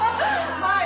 はい。